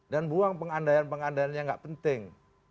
dan buang pengandaian pengandaian yang gak penting